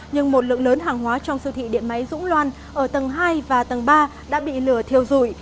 nhưng một lượng lớn hàng hóa trong siêu thị điện máy dũng loan ở tầng hai và tầng ba đã bị lửa thiêu rụi